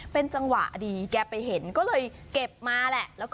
เป็นจังหวะดีแกไปเห็นก็เลยเก็บมาแหละ